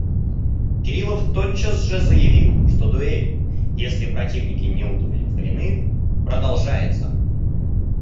Кириллов тотчас же заявил, что дуэль, если противники не удовлетворены, продолжается.